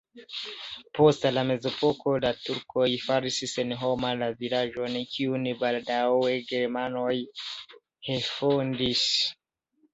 Post la mezepoko la turkoj faris senhoma la vilaĝon, kiun baldaŭe germanoj refondis.